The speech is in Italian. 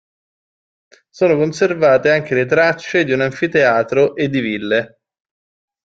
Sono conservate anche tracce di un anfiteatro e di ville.